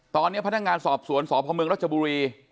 ตอนนี้พนักงานสอบสวนสพเมืองรัชบุรี